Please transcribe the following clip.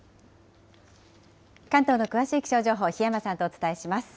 関東の詳しい気象情報、檜山さんとお伝えします。